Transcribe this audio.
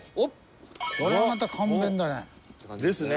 これはまた簡便だね。ですね。